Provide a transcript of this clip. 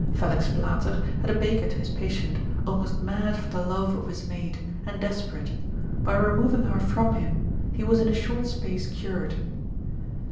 Felix Plater, observ. lib. 1. had a baker to his patient, almost mad for the love of his maid, and desperate; by removing her from him, he was in a short space cured.